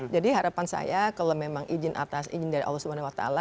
jadi harapan saya kalau memang izin atas izin dari allah swt